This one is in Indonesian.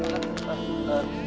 tidak ada apa apa